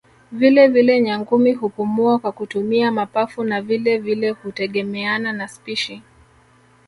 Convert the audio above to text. Vile vile Nyangumi hupumua kwa kutumia mapafu na vile vile hutegemeana na spishi